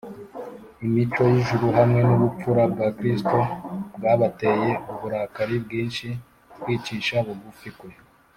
imico y’ijuru hamwe n’ubupfura bya kristo byabateye uburakari bwinshi kwicisha bugufi kwe,